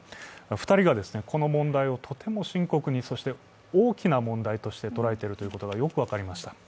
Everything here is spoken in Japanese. ２人がこの問題をとても深刻に、そして大きな問題として捉えているということがよく分かりました。